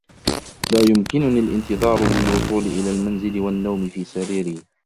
لا يمكنني الانتظار للوصول الى المنزل والنوم في سريري.